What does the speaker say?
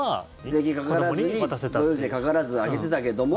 税金かからずに贈与税かからずにあげてたけども。